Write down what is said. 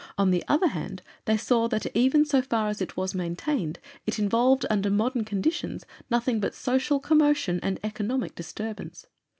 On the other hand, they saw that, even so far as it was maintained, it involved, under modern conditions, nothing but social commotion and economic disturbance.